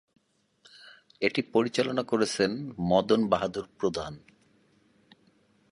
এটি পরিচালনা করেছেন মদন বাহাদুর প্রধান।